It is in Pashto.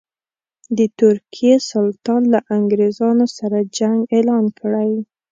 د ترکیې سلطان له انګرېزانو سره جنګ اعلان کړی.